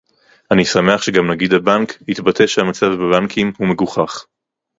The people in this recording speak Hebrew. אני שמח שגם נגיד הבנק התבטא שהמצב בבנקים הוא מגוחך